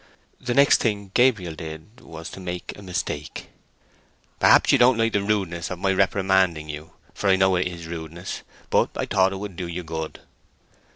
The next thing Gabriel did was to make a mistake. "Perhaps you don't like the rudeness of my reprimanding you, for I know it is rudeness; but I thought it would do good."